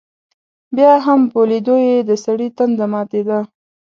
بیا هم په لیدلو یې دسړي تنده ماتېده.